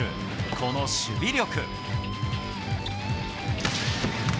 この守備力。